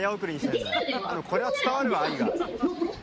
これは伝わるわ愛が。